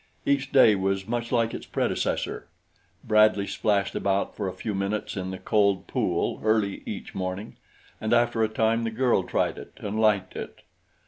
Each day was much like its predecessor. Bradley splashed about for a few minutes in the cold pool early each morning and after a time the girl tried it and liked it.